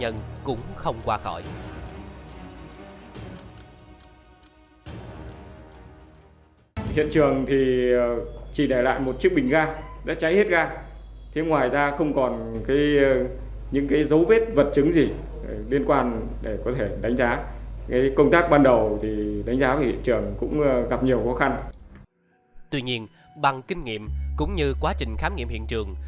bằng kinh nghiệm cũng như quá trình khám nghiệm hiện trường